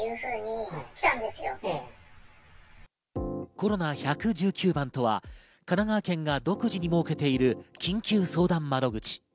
コロナ１１９番とは神奈川県が独自に設けている緊急相談窓口。